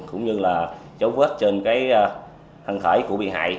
cũng như là dấu vết trên cái hành khẩu